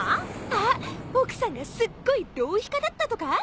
あっ奥さんがすっごい浪費家だったとか？